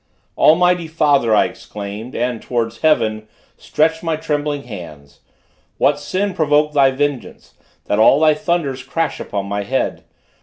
"Almighty Father!" I exclaimed, and towards heaven Stretched my trembling hands, "what sin provoked thy vengeance, That all thy thunders crash upon my head?